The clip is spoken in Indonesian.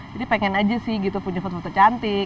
jadi pengen aja sih gitu punya foto foto cantik